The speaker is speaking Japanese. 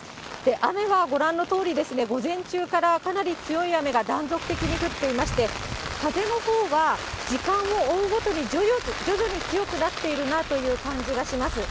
雨はご覧のとおり、午前中からかなり強い雨が断続的に降っていまして、風のほうは時間を追うごとに徐々に強くなっているなという感じがします。